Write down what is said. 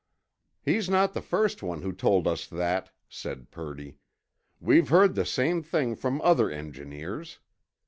"He's not the first one who told us that," said Purdy. "We've heard the same thing from other engineers.